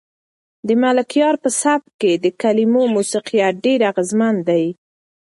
د ملکیار په سبک کې د کلمو موسیقیت ډېر اغېزمن دی.